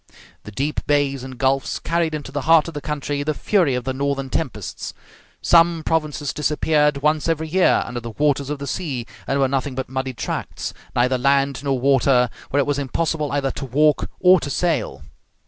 The deep bays and gulfs carried into the heart of the country the fury of the northern tempests. Some provinces disappeared once every year under the waters of the sea, and were nothing but muddy tracts, neither land nor water, where it was impossible either to walk or to sail.